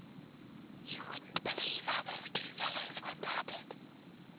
You wouldn't believe how those two fellows went at it!